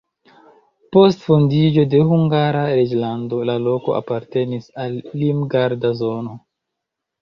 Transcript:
Post fondiĝo de Hungara reĝlando la loko apartenis al limgarda zono.